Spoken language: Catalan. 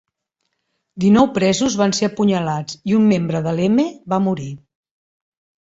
Dinou presos van ser apunyalats i un membre de l'Eme va morir.